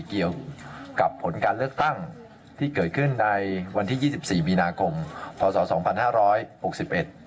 เกี่ยวกับผลการเลือกตั้งที่เกิดขึ้นในวันที่๒๔มีนาคมพศ๒๕๖๑